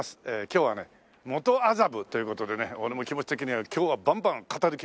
今日はね元麻布という事でね俺も気持ち的には今日はバンバン「語る」